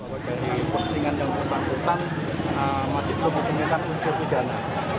di postingan yang bersambutan masih perlu dikenakan insur hujana